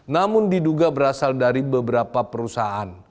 namun diduga berasal dari beberapa perusahaan